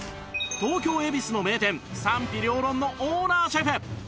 東京恵比寿の名店賛否両論のオーナーシェフ